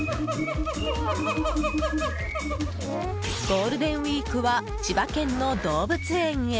ゴールデンウィークは千葉県の動物園へ。